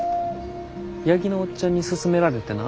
八木のおっちゃんに勧められてな。